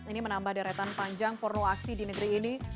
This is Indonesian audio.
ini menambah deretan panjang porno aksi di negeri ini